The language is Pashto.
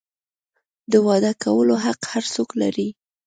د واده کولو حق هر څوک لري.